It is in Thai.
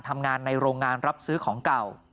ทำงานในโรงงานรับซื้อของเก่า